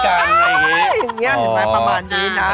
อย่างนี้มาประมาณนี้นะ